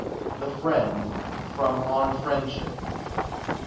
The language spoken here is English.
THE FRIEND. FROM ON FRIENDSHIP.